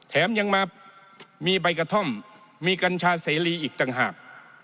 แถมยังมามีใบกระท่อมมีกัญชาเสรีอีกต่างหาก